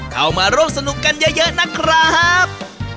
เข้ามาร่วมสนุกกันเยอะนะครับ